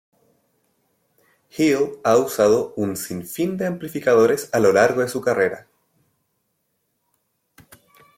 Hill ha usado un sin fin de amplificadores a lo largo de su carrera.